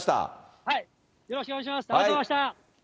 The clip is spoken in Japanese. よろしくお願いします。